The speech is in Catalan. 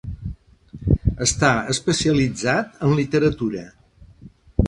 Està especialitzat en literatura.